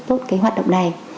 tốt cái hoạt động này